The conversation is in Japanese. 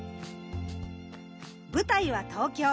舞台は東京。